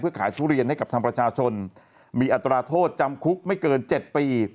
ขายทุเรียนให้กับทางประชาชนมีอัตราโทษจำคุกไม่เกิน๗ปี